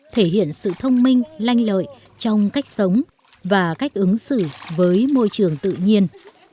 thể hiện sự thông minh lanh lợi trong cách sống và cách ứng xử với môi trường tự nhiên